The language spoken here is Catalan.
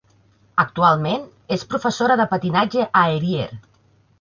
Actualment, és professora de patinatge a Erie.